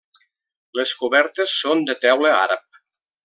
Les cobertes són de teula àrab.